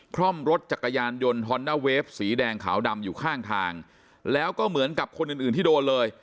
คล่อมรถจักรยานยนต์ฮอนด้าเวฟสีแดงขาวดำอยู่ข้างทางแล้วก็เหมือนกับคนอื่นอื่นที่โดนเลย